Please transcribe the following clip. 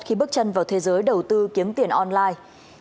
khi bước chân vào thế giới đầu tư kiếm tiền online